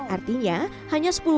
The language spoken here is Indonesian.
artinya hanya rp sepuluh ditagang